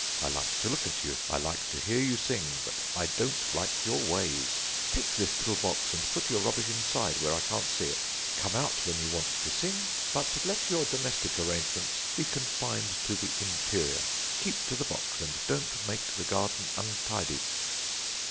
I like to look at you. I like to hear you sing. But I don't like your ways. Take this little box, and put your rubbish inside where I can't see it. Come out when you want to sing; but let your domestic arrangements be confined to the interior. Keep to the box, and don't make the garden untidy.'"